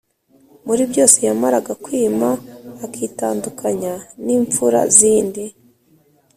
muri byose Yamaraga kwima akitandukanya n imfura zindi